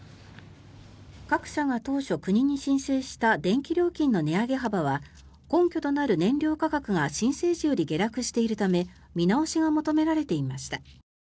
各社が当初、国に申請した電気料金の値上げ幅は根拠となる燃料価格が申請時より下落しているため見直しが求められていました。